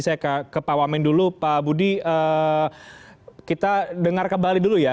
saya ke pak wamen dulu pak budi kita dengar kembali dulu ya